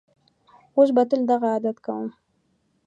اوس به تل دغه عادت کوم.